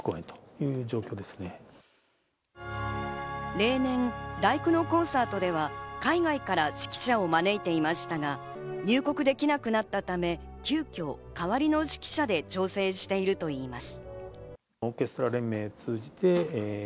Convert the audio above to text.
例年、第九のコンサートでは海外から指揮者を招いていましたが、入国できなくなったため、急遽代わりの指揮者で調整しているといいます。